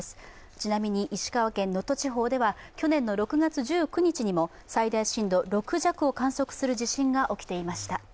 ちなみに石川県能登地方では去年の６月１９日にも最大震度６弱を観測する地震が起きていました。